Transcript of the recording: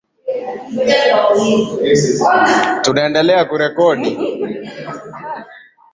magumu lakini mahali pengi waliweza kubaki Waliruhusiwa kuendelea na